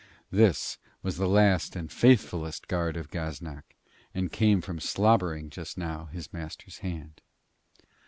This was the last and faithfullest guard of Gaznak, and came from slobbering just now his master's hand.